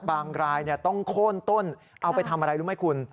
รายต้องโค้นต้นเอาไปทำอะไรรู้ไหมคุณ